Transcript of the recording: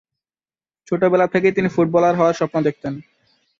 ছোটবেলা থেকেই তিনি ফুটবলার হওয়ার স্বপ্ন দেখতেন।